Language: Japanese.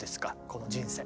この人生。